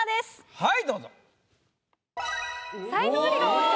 はい。